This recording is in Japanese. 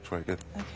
はい。